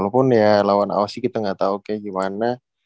namun ya lawan aussie kita gak tau kayak gimana